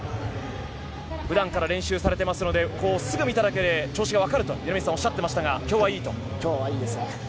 普段から練習されていますのですぐ見ただけで調子がわかると米満さんはおっしゃっていましたが今日はいいですね。